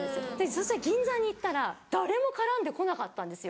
そしたら銀座に行ったら誰も絡んでこなかったんですよ。